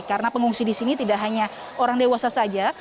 karena pengungsi di sini tidak hanya orang dewasa saja